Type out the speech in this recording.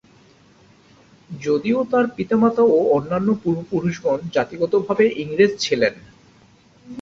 যদিও তার পিতা-মাতা এবং অন্যান্য পূর্ব-পুরুষগণ জাতিগতভাবে ইংরেজ ছিলেন।